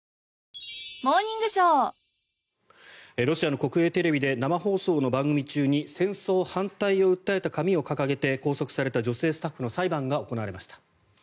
ロシアの国営テレビで生放送の番組中に戦争反対を訴えた紙を掲げて拘束された女性スタッフの裁判が行われました。